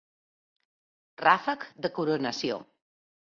Ràfec de coronació.